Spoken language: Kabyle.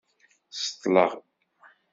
Ṣeṭṭleɣ